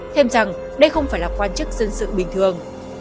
thêm rằng đây không phải là quan chức dân sự bình thường